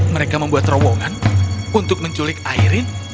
mereka membuat terowongan untuk menculik airin